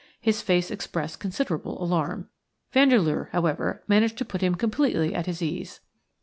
His face expressed considerable alarm. Vandeleur, however, managed to put him completely at his ease.